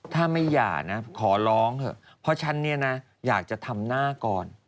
ถ้าไม่หย่านะขอร้องเถอะเพราะฉันเนี่ยนะอยากจะทำหน้าก่อน